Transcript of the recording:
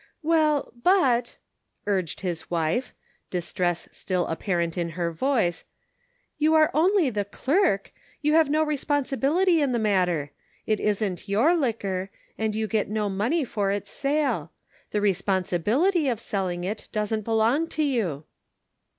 " Well, but," urged his wife, distress still apparent in her voice, "you are only the clerk, you have no responsibility in the matter ; it isn't your liquor, and you get no money for its sale ; the responsibility of selling it doesn't belong to you."